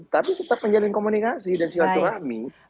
tapi tetap menjalin komunikasi dan silaturahmi